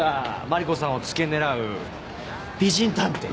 マリコさんをつけ狙う美人探偵。